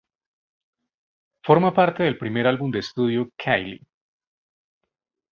Forma parte del primer álbum de estudio Kylie.